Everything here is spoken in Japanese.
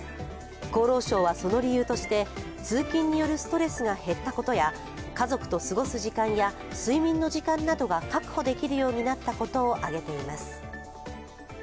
厚労省はその理由として通勤によるストレスが減ったことや家族と過ごす時間や睡眠の時間などが確保できるようになったことを挙げています。